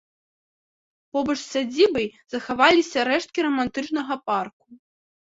Побач з сядзібай захаваліся рэшткі рамантычнага парку.